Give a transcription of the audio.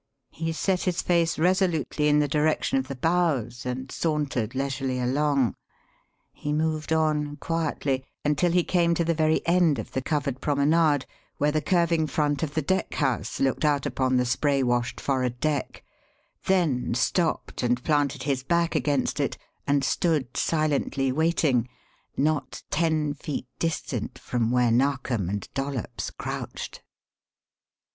He set his face resolutely in the direction of the bows and sauntered leisurely along. He moved on quietly, until he came to the very end of the covered promenade where the curving front of the deckhouse looked out upon the spray washed forward deck, then stopped and planted his back against it and stood silently waiting, not ten feet distant from where Narkom and Dollops crouched.